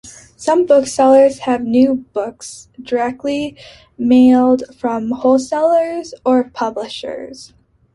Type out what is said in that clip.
Some booksellers have new books directly mailed from wholesalers or publishers.